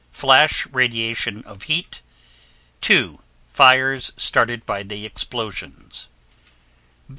Flash radiation of heat 2. Fires started by the explosions.